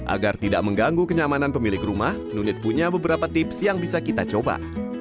agar tidak mengganggu kenyamanan pemilik rumah nunit punya beberapa tips yang bisa kita coba